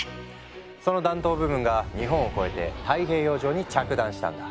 その弾頭部分が日本を越えて太平洋上に着弾したんだ。